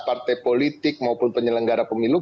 partai politik maupun penyelenggara pemilu